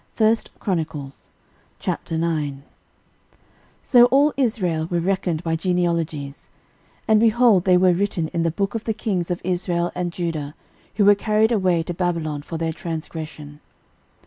13:009:001 So all Israel were reckoned by genealogies; and, behold, they were written in the book of the kings of Israel and Judah, who were carried away to Babylon for their transgression.